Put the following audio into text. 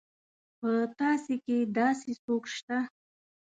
په تاسي کې داسې څوک شته.